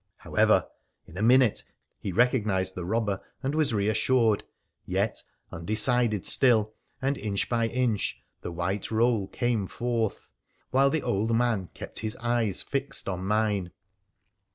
How ever, in a minute he recognised the robber, and was reassured, yet undecided still, and inch by inch the white roll came forth, while the old man kept his eyes fixed on mine.